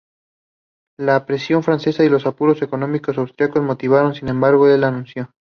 La presión francesa y los apuros económicos austriacos motivaron, sin embargo, el anuncio.